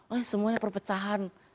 oh ini semuanya perpecahan